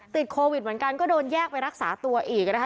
ติดโควิดเหมือนกันก็โดนแยกไปรักษาตัวอีกนะคะ